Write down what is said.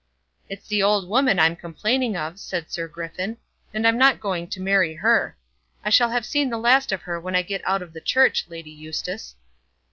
"It's the old woman I'm complaining of," said Sir Griffin, "and I'm not going to marry her. I shall have seen the last of her when I get out of the church, Lady Eustace."